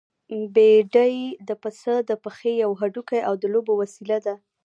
بېډۍ د پسه د پښې يو هډوکی او د لوبو وسيله ده.